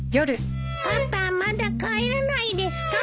パパまだ帰らないですか？